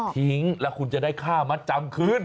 ทิ้งแล้วคุณจะได้ค่ามัดจำคืน